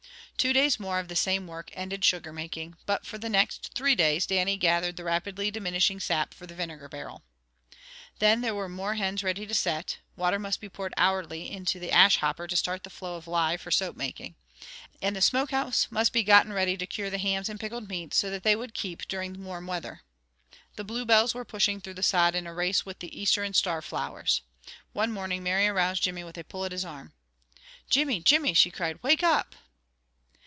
Two days more of the same work ended sugar making, but for the next three days Dannie gathered the rapidly diminishing sap for the vinegar barrel. Then there were more hens ready to set, water must be poured hourly into the ash hopper to start the flow of lye for soap making, and the smoke house must be gotten ready to cure the hams and pickled meats, so that they would keep during warm weather. The bluebells were pushing through the sod in a race with the Easter and star flowers. One morning Mary aroused Jimmy with a pull at his arm. "Jimmy, Jimmy," she cried. "Wake up!"